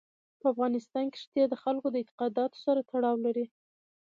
په افغانستان کې ښتې د خلکو د اعتقاداتو سره تړاو لري.